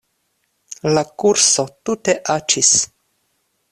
La kurso tute aĉis.